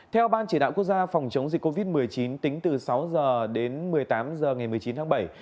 theo ban chỉ đạo quốc gia phòng chống dịch covid một mươi chín tính từ sáu h đến một mươi tám h ngày một mươi chín tháng bảy